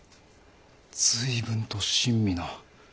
随分と親身な。